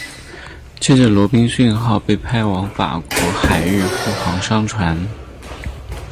接着罗宾逊号被派往法国海域护航商船。